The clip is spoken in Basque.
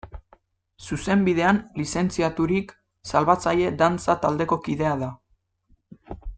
Zuzenbidean lizentziaturik, Salbatzaile dantza taldeko kidea da.